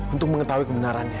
untuk mengetahui kebenarannya